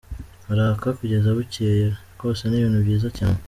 Haraka kugeza bukeye, rwose ni ibintu byiza cyane.